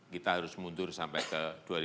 kita harus mundur sampai ke dua ribu dua puluh